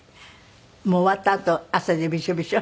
終わったあと汗でビショビショ？